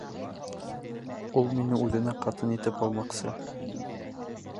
Ул мине үҙенә ҡатын итеп алмаҡсы.